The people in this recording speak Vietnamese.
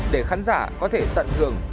để khán giả có thể tận hưởng